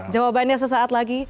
jawabannya sesaat lagi